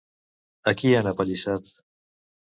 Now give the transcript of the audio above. A qui han apallissat?